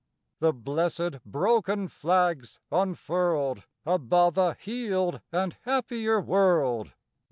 The blessèd broken flags unfurled Above a healed and happier world!